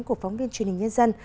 của phóng viên truyền hình nhân dân